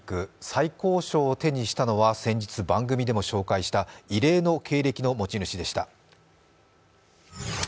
最高賞を手にしたのは先日、番組でも紹介した異例の経歴の持ち主でした。